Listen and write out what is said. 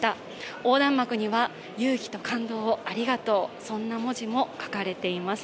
大弾幕には勇気と感動をありがとうそんな文字も書かれています。